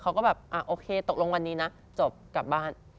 เขาก็แบบโอเคตกลงวันนี้นะจบกลับบ้าน